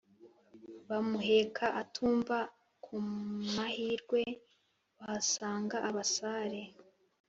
Bamuheka atumva kumahirwe bahasanga abasare